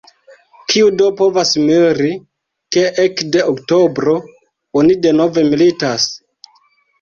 Kiu do povas miri, ke ekde oktobro oni denove militas?